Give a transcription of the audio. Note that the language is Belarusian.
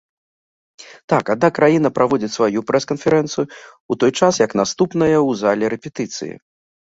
Так, адна краіна праводзіць сваю прэс-канферэнцыю, у той час як наступная ў зале рэпетыцыі.